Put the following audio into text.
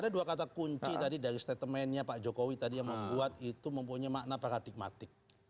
ada dua kata kunci tadi dari statementnya pak jokowi tadi yang membuat itu mempunyai makna paradigmatik